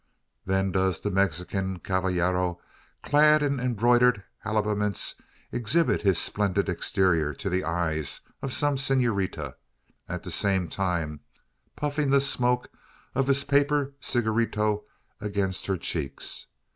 Then does the Mexican "cavallero," clad in embroidered habiliments, exhibit his splendid exterior to the eyes of some senorita at the same time puffing the smoke of his paper cigarito against her cheeks.